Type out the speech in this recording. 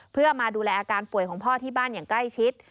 เพื่อมาดูแลอาการป่วยของพ่อที่บ้านอย่างใกล้ชิด